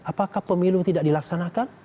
apakah pemilu tidak dilaksanakan